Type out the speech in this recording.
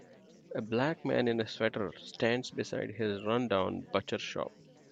A black man in a sweater stands beside his rundown butcher shop.